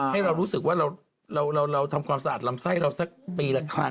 ให้เรารู้สึกว่าเราทำความสะอาดลำไส้เราสักปีละครั้ง